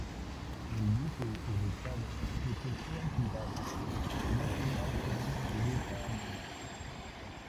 El duque, irritado, se quejó en privado: "No soy más que una maldita ameba.